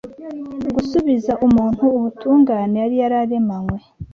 gusubiza umuntu ubutungane yari yararemanwe